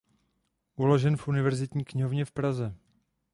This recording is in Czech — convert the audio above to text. Uložen v Univerzitní knihovně v Praze.